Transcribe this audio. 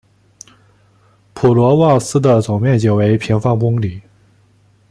普罗旺斯的总面积为平方公里。